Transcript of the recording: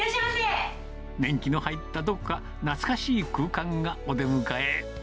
年季の入った、どこか懐かしい空間がお出迎え。